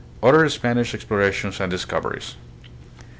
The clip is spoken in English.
Other Spanish Explorations and Discoveries.